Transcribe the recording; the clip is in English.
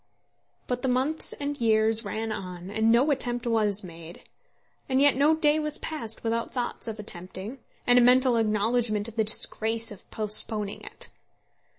But the months and years ran on, and no attempt was made. And yet no day was passed without thoughts of attempting, and a mental acknowledgment of the disgrace of postponing it.